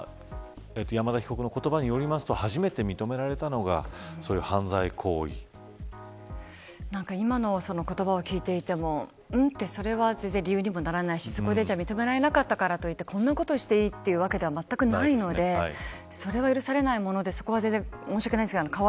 山田被告の言葉によりますと初めて認められたのが今の言葉を聞いていてもそれは理由にもならないし認められないからといってこんなことしていいというわけではないので許されないもので申し訳ありませんが、そこは